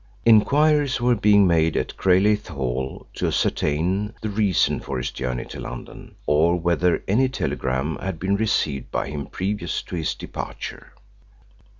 Inquiries were being made at Craigleith Hall to ascertain the reason for his journey to London, or whether any telegram had been received by him previous to his departure.